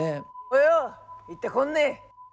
およ行ってこんね。